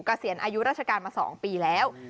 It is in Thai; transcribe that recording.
เกษียณอายุราชการมา๒ปีแล้ว